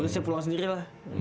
saya pulang sendiri lah